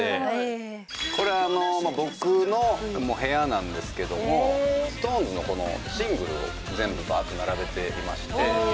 これ僕の部屋なんですけどもＳｉｘＴＯＮＥＳのシングルを全部バーッて並べていまして。